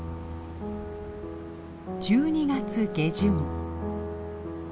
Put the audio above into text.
１２月下旬。